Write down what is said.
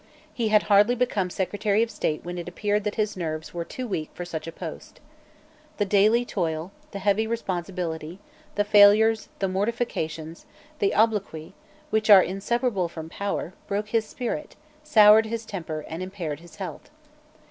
He had hardly become Secretary of State when it appeared that his nerves were too weak for such a post. The daily toil, the heavy responsibility, the failures, the mortifications, the obloquy, which are inseparable from power, broke his spirit, soured his temper, and impaired his health.